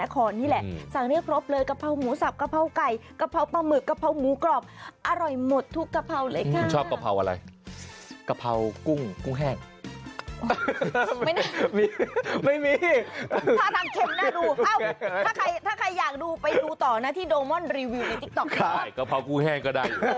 กำเปล่ากุ้งแห้งก็ได้